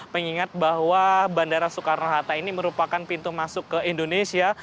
mengingat bahwa bandara soekarno hatta ini merupakan pintu masuk ke indonesia